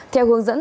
theo hướng dẫn